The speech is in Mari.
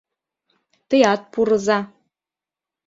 — Теат пурыза...